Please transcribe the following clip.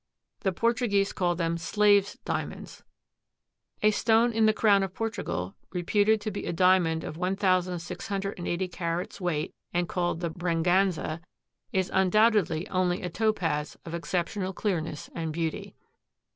The Portuguese call them "slaves' diamonds." A stone in the crown of Portugal, reputed to be a diamond of 1,680 carats weight and called the Braganza, is undoubtedly only a Topaz of exceptional clearness and beauty.